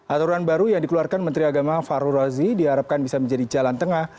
aturan baru yang dikeluarkan menteri agama farul razi diharapkan bisa menjadi jalan tengah